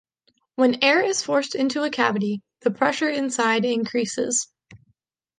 When air is forced into a cavity, the pressure inside increases.